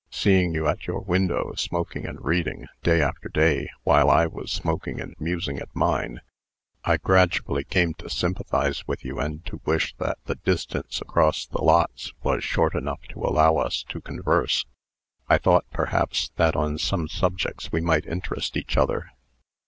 Seeing you at your window, smoking and reading, day after day, while I was smoking and musing at mine, I gradually came to sympathize with you, and to wish that the distance across the lots was short enough to allow us to converse. I thought, perhaps, that on some subjects we might interest each other.